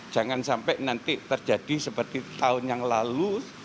jangan sampai nanti terjadi seperti tahun yang lalu